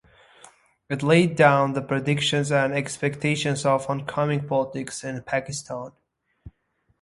It laid down the predictions and expectations of on coming politics in Pakistan.